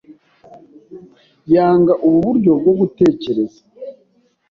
Yanga ubu buryo bwo gutekereza.